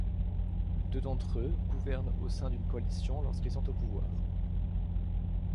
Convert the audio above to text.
Deux d’entre eux gouvernent au sein d’une coalition lorsqu'ils sont au pouvoir.